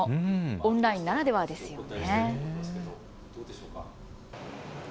オンラインならではですよね。